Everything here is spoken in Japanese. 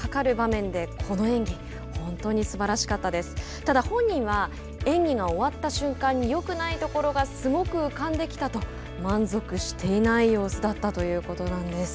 ただ、本人は演技が終わった瞬間によくないところがすごく浮かんできたと満足していない様子だったということなんです。